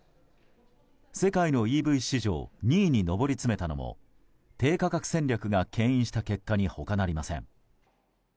世界のＥＶ市場２位に上り詰めたのも低価格戦略が牽引した結果に他なりません。